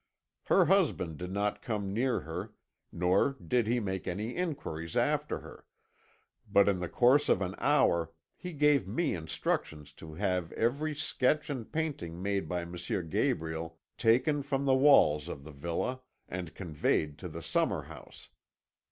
Her husband did not come near her, nor did he make any inquiries after her, but in the course of an hour he gave me instructions to have every sketch and painting made by M. Gabriel taken from the walls of the villa, and conveyed to the summer house.